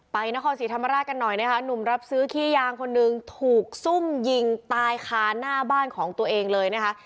นครศรีธรรมราชกันหน่อยนะคะหนุ่มรับซื้อขี้ยางคนหนึ่งถูกซุ่มยิงตายคาหน้าบ้านของตัวเองเลยนะคะ